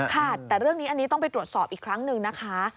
ค่ะแต่เรื่องนี้อันนี้ต้องไปตรวจสอบอีกครั้งหนึ่งนะคะ